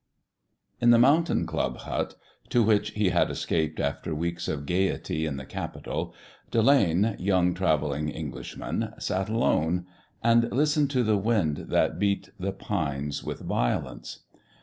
In the mountain Club Hut, to which he had escaped after weeks of gaiety in the capital, Delane, young travelling Englishman, sat alone, and listened to the wind that beat the pines with violence.